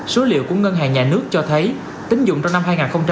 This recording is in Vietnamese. số liệu của ngân hàng nhà nước cho thấy tính dụng trong năm hai nghìn hai mươi hai